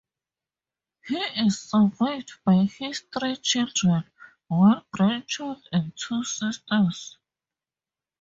He is survived by his three children, one grandchild, and two sisters.